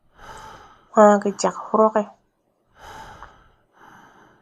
Waa ge jagge hrog.